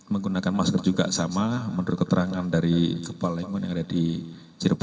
menggunakan masker juga sama menurut keterangan dari kepala lingkungan yang ada di cirebon